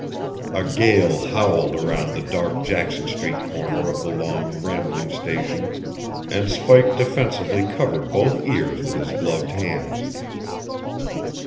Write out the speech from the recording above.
A gale howled around the dark Jackson Street corner of the long, rambling station, and Spike defensively covered both ears with his gloved hands.